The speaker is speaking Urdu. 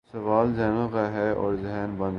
سوال ذہنوں کا ہے اور ذہن بند ہیں۔